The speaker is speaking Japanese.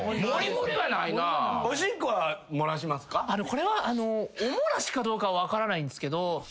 これはお漏らしかどうかは分からないんですけど。